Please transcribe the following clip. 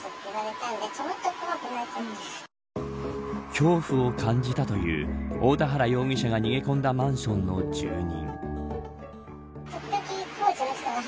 恐怖を感じたという大田原容疑者が逃げ込んだマンションの住人。